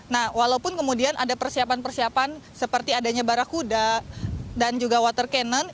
nah walaupun kemudian ada persiapan persiapan seperti adanya barakuda dan juga water cannon